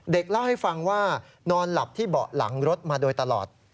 เล่าให้ฟังว่านอนหลับที่เบาะหลังรถมาโดยตลอด